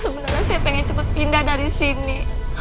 sebenernya saya pengen cepet pindah dari sini